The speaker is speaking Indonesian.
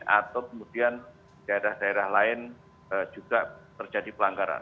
atau kemudian daerah daerah lain juga terjadi pelanggaran